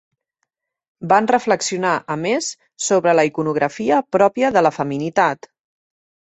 Van reflexionar, a més, sobre la iconografia pròpia de la feminitat.